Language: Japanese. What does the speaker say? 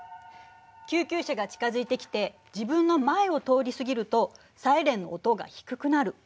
救急車が近づいてきて自分の前を通り過ぎるとサイレンの音が低くなる。